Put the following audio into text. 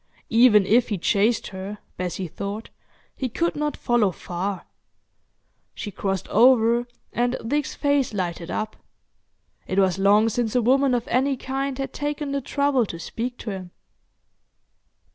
Even if he chased her, Bessie thought, he could not follow far. She crossed over, and Dick's face lighted up. It was long since a woman of any kind had taken the trouble to speak to him.